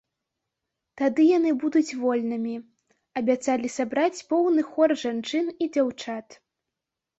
Тады яны будуць вольнымі, абяцалі сабраць поўны хор жанчын і дзяўчат.